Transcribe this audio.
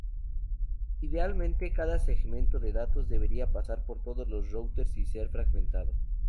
Idealmente, cada segmento de datos debería pasar por todos los routers sin ser fragmentado.